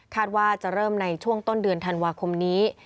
ว่าจะเริ่มในช่วงต้นเดือนธันวาคมนี้